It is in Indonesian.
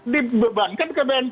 dibebankan ke bnpt yang